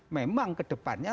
memang ke depannya